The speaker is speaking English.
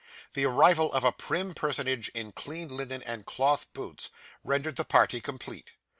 The arrival of a prim personage in clean linen and cloth boots rendered the party complete.